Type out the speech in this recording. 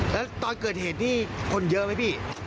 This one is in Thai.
แล้วตอนเกิดเหตุนี่คนเยอะไหมพี่